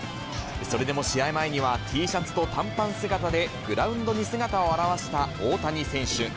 それでも試合前には、Ｔシャツと短パン姿でグラウンドに姿を現した大谷選手。